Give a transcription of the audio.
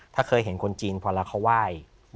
ถ้าเคยเห็นคนจีนพอแล้วเขาไหว้